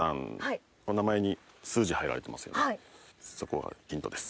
そこはヒントです。